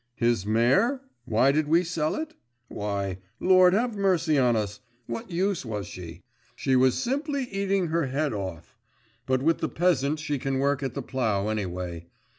'His mare, why did we sell it? Why, Lord have mercy on us what use was she? She was simply eating her head off. But with the peasant she can work at the plough anyway.